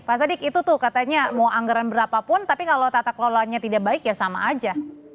pak sadik itu tuh katanya mau anggaran berapapun tapi kalau tata kelolanya tidak baik ya sama aja